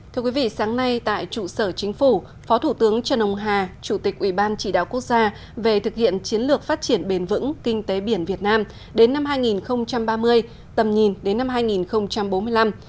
thưa quý vị sáng nay tại trụ sở chính phủ phó thủ tướng trần ông hà chủ tịch ủy ban chỉ đạo quốc gia về thực hiện chiến lược phát triển bền vững kinh tế biển việt nam đến năm hai nghìn ba mươi tầm nhìn đến năm hai nghìn bốn mươi năm